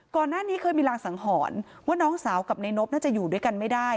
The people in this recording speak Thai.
ก่อนหน้านี้เคยมีรางสังหรณ์ว่าน้องสาวกับในนบน่าจะอยู่ด้วยกันไม่ได้